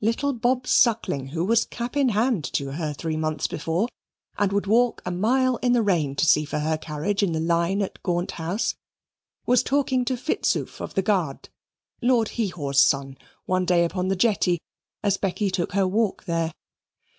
Little Bob Suckling, who was cap in hand to her three months before, and would walk a mile in the rain to see for her carriage in the line at Gaunt House, was talking to Fitzoof of the Guards (Lord Heehaw's son) one day upon the jetty, as Becky took her walk there.